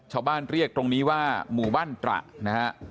ชาวบ้านเรียกตรงนี้ว่าหมู่บ้านตระนะฮะ